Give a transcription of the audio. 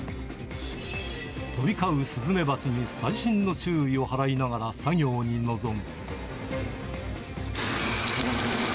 飛び交うスズメバチに細心の注意を払いながら、作業に臨む。